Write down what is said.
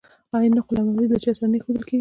آیا نقل او ممیز له چای سره نه ایښودل کیږي؟